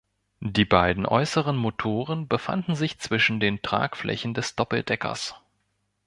Die beiden äußeren Motoren befanden sich zwischen den Tragflächen des Doppeldeckers.